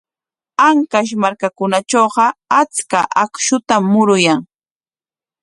Ancash markakunatrawqa achka akshutam muruyan.